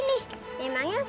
sebentar ya nek